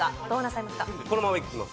このままいきます。